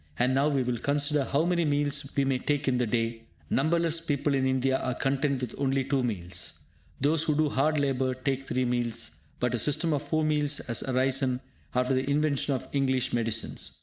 And now we will consider how may meals we may take in the day. Numberless people in India are content with only two meals. Those who do hard labour take three meals, but a system of four meals has arisen after the invention of English medicines!